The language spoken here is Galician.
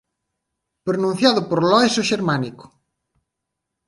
Pronunciado por Lois o Xermánico.